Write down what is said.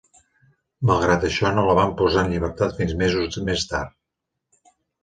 Malgrat això no la van posar en llibertat fins mesos més tard.